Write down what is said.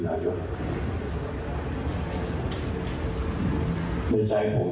และยังเชื่อใจอยู่